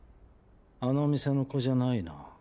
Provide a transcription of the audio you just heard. あの店の子じゃないな。